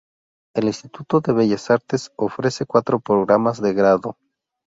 El Instituto de Bellas Artes ofrece cuatro programas de grado.